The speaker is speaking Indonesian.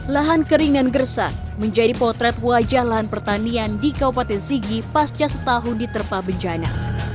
lahan kering dan gersak menjadi potret wajah lahan pertanian di kabupaten sigi pasca setahun diterpah bencana